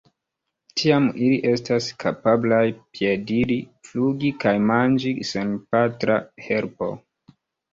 Tiam ili estas kapablaj piediri, flugi kaj manĝi sen patra helpo.